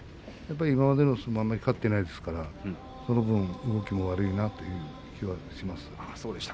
今までの相撲はあまり勝っていないですからその分動きも悪いなという気がします。